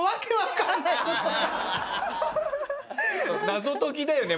謎解きだよね